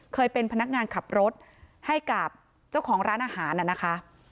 เคยเป็นพนักงานขับรถให้กับเจ้าของร้านอาหารน่ะนะคะ